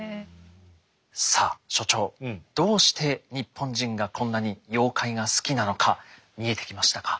さあ所長どうして日本人がこんなに妖怪が好きなのか見えてきましたか？